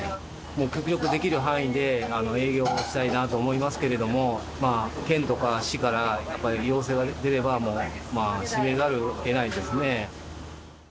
もう極力できる範囲で営業をしたいなと思いますけれども、県とか市から、やっぱ要請が出れば、もう閉めざるをえないですね。